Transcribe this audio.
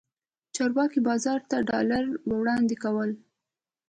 چارواکي بازار ته ډالر وړاندې کوي.